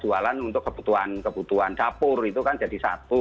jualan untuk kebutuhan dapur itu kan jadi satu